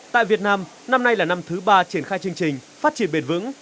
tại việt nam năm nay là năm thứ ba triển khai chương trình phát triển bền vững